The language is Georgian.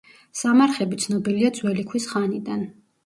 სამარხები ცნობილია ძველი ქვის ხანიდან.